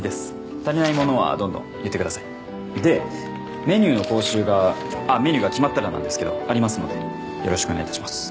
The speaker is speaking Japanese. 足りないものはどんどん言ってくださいでメニューの講習があっメニューが決まったらなんですけどありますのでよろしくお願いいたします